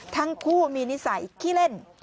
ทั้งคู่มีนิสัยขี้เล่น